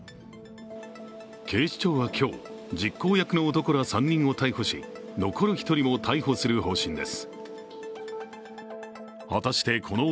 警視庁は今日、実行役の男ら３人を逮捕し、残る１人も逮捕する方針です。